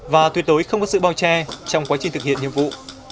và tuyệt đối không có sự bao che trong quá trình thực hiện nhiệm vụ